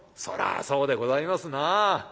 「そらあそうでございますなあ。